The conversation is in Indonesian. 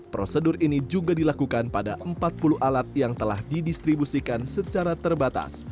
prosedur ini juga dilakukan pada empat puluh alat yang telah didistribusikan secara terbatas